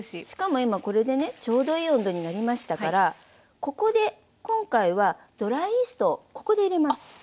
しかも今これでねちょうどいい温度になりましたからここで今回はドライイーストをここで入れます。